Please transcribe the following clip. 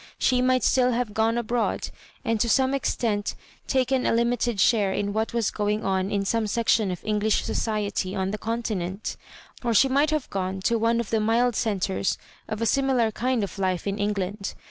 She might still have gone abroad, and to some extent taken a limited share in what was going on in some section of English society on the Continent Or she might have gone to one of the mild centres of a flimilar kind of life in England.